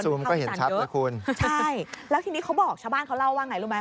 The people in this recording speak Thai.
ทุกคนใช่แล้วทีนี้เขาบอกชาวบ้านเขาเล่าว่าไงรู้ไหม